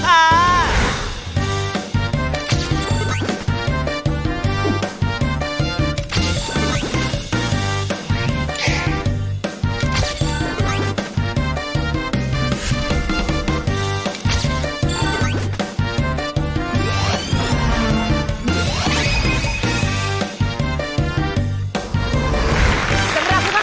สำหรับผู้พักผ่านนักทรัพย์ของเราวันนี้ค่ะ